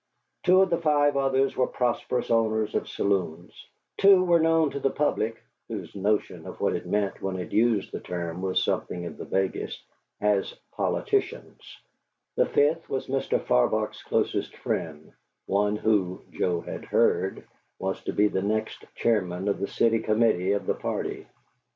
Two of the five others were prosperous owners of saloons; two were known to the public (whose notion of what it meant when it used the term was something of the vaguest) as politicians; the fifth was Mr. Farbach's closest friend, one who (Joe had heard) was to be the next chairman of the city committee of the party.